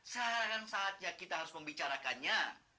sekarang saatnya kita harus membicarakannya